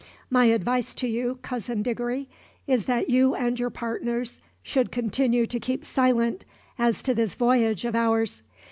"My advice to you, Cousin Diggory, is that you and your partners should continue to keep silent as to this voyage of ours.